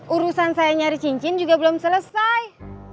urusan saya nyari cincin juga belum selesai